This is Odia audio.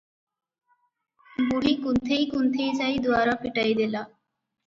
ବୁଢ଼ୀ କୁନ୍ଥେଇ କୁନ୍ଥେଇ ଯାଇ ଦୁଆର ଫିଟାଇ ଦେଲା ।